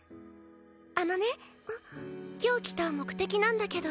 あのね今日来た目的なんだけど。